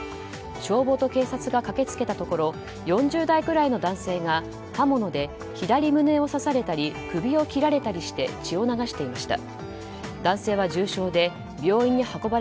消防と警察が駆け付けたところ４０代くらいの男性が刃物で左胸を刺されたり首を切られたりして血を流していました。